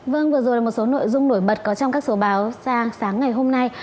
vâng vừa rồi là một số nội dung nổi bật có trong các số báo ra sáng ngày hôm nay